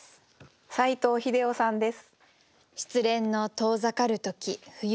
斎藤秀雄さんです。